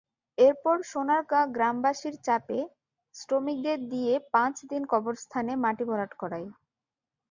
এরপর সোনারগাঁ গ্রামবাসীর চাপে শ্রমিকদের দিয়ে পাঁচ দিন কবরস্থানে মাটি ভরাট করাই।